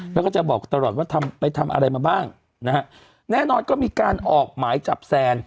แล้วก็จะบอกตลอดว่าทำไปทำอะไรมาบ้างนะฮะแน่นอนก็มีการออกหมายจับแซน